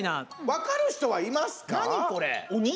分かる人はいますか？